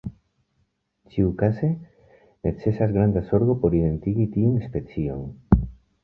Ĉiukaze necesas granda zorgo por identigi tiun specion.